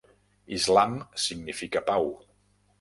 Islam significa pau.